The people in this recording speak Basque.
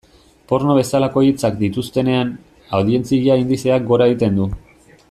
Porno bezalako hitzak dituztenean, audientzia indizeak gora egiten du.